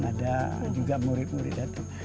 ada juga murid murid datang